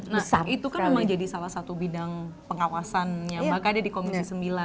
nah itu kan memang jadi salah satu bidang pengawasannya mbak kada di komisi sembilan